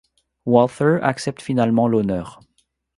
Walther accepte finalement l'honneur.